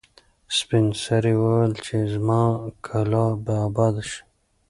سپین سرې وویل چې زما کلا به اباده شي.